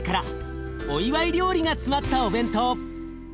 お祝い料理が詰まったお弁当。